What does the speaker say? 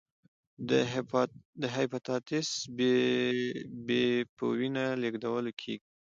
د هپاتایتس بي په وینه لېږدول کېږي.